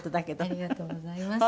ありがとうございます。